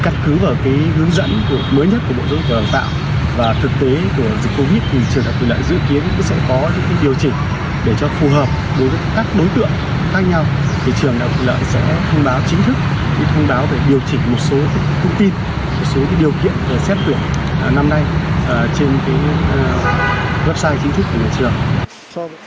điều chỉnh một số thông tin một số điều kiện về xét tuyển năm nay trên website chính thức của trường